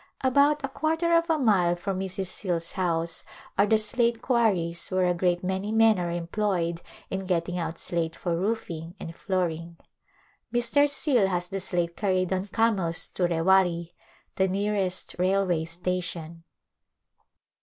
About a quarter of a mile from Mrs. Scale's house are the slate quarries where a great many men arc employed in getting out slate for roofing and floor ing. Mr. Scale has the slate carried on camels to Rewari, the nearest railway station.